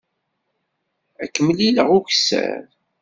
Ad k-mlileɣ ukessar.